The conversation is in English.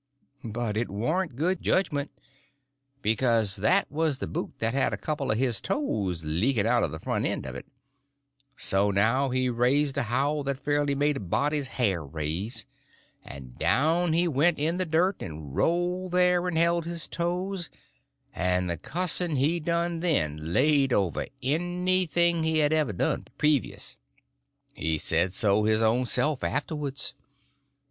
But it warn't good judgment, because that was the boot that had a couple of his toes leaking out of the front end of it; so now he raised a howl that fairly made a body's hair raise, and down he went in the dirt, and rolled there, and held his toes; and the cussing he done then laid over anything he had ever done previous. He said so his own self afterwards.